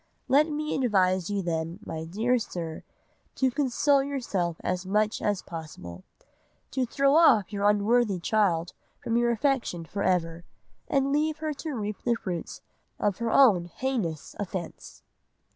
Let me advise you then, my dear sir, to console yourself as much as possible, to throw off your unworthy child from your affection for ever, and leave her to reap the fruits of her own heinous offence."